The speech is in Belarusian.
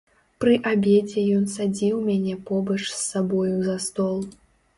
Пры абедзе ён садзіў мяне побач з сабою за стол.